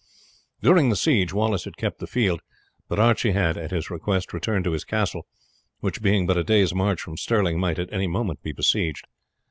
During the siege Wallace had kept the field, but Archie had, at his request, returned to his castle, which being but a day's march from Stirling, might at any moment be besieged.